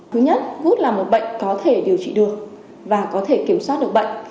thứ nhất gút là một bệnh có thể điều trị được và có thể kiểm soát được bệnh